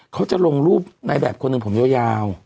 เขาจะลงรูปในแบบคนหนึ่งผมยาว